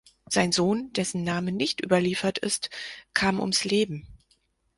Sein Sohn, dessen Name nicht überliefert ist, kam ums Leben.